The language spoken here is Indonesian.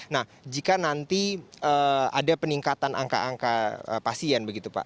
nah jika nanti ada peningkatan angka angka pasien begitu pak